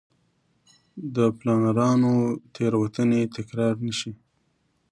د پلانرانو تېروتنې تکرار نه شي.